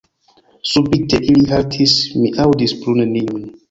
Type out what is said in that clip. Subite, ili haltis, mi aŭdis plu nenion.